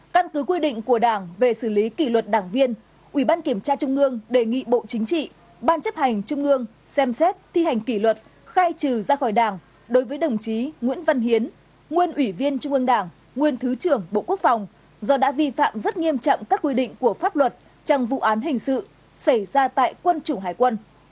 sáu căn cứ quy định của đảng về xử lý kỷ luật đảng viên ủy ban kiểm tra trung ương đề nghị bộ chính trị ban chấp hành trung ương xem xét thi hành kỷ luật khai trừ ra khỏi đảng đối với đồng chí nguyễn văn hiến nguyên ủy viên trung ương đảng nguyên thứ trưởng bộ quốc phòng do đã vi phạm rất nghiêm trọng các quy định của pháp luật trong vụ án hình sự xảy ra tại quân chủng hải quân